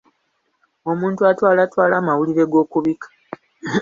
Omuntu atwalatwala amawulire g'okubika.